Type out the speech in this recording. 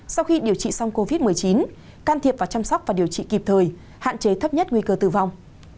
sau khi điều trị xong covid một mươi chín can thiệp và chăm sóc và điều trị kịp thời hạn chế thấp nhất nguy cơ tử vong